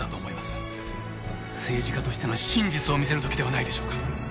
政治家としての真実を見せる時ではないでしょうか。